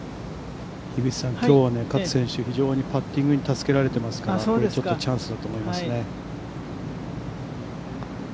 きょうは勝選手、非常にパッティングに助けられていますから、ちょっとチャンスだと思いますね。